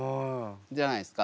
じゃないですか？